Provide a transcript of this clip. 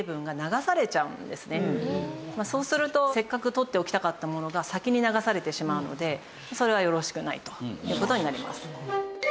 そうするとせっかくとっておきたかったものが先に流されてしまうのでそれはよろしくないという事になります。